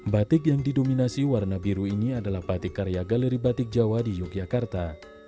batik yang didominasi warna biru ini adalah batik karya galeri batik jawa di yogyakarta